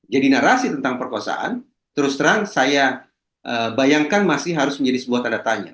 jadi narasi tentang perkosaan terus terang saya bayangkan masih harus menjadi sebuah tanda tanya